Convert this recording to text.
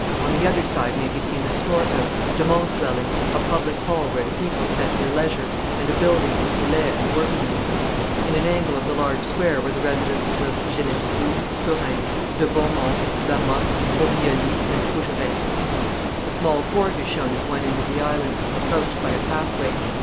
On the other side may be seen the storehouse, de Monts' dwelling, a public hall where the people spent their leisure, and a building for Boulay and the workmen. In an angle of the large square were the residences of Genestou, Sourin, de Beaumont, La Motte, Bourioli and Fougeray. A small fort is shown at one end of the island, approached by a pathway.